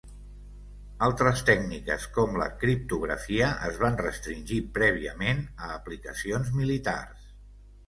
Altres tècniques com la criptografia es van restringir prèviament a aplicacions militars.